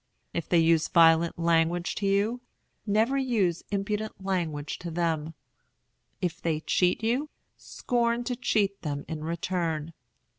If they use violent language to you, never use impudent language to them. If they cheat you, scorn to cheat them in return.